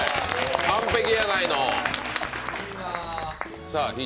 完璧やないの。